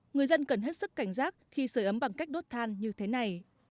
người dân cần hết sức cảnh giác khi sửa ấm bằng cách đốt than như thế này